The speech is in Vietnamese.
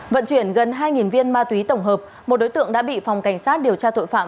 vận chuyển gần hai viên ma túy tổng hợp một đối tượng đã bị phòng cảnh sát điều tra tội phạm